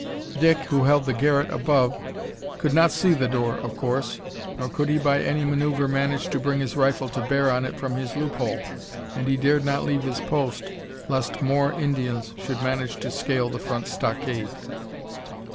Dick, who held the garret above, could not see the door, of course, nor could he by any manoeuvre manage to bring his rifle to bear on it from his loop hole, and he dared not leave his post lest more Indians should manage to scale the front stockade.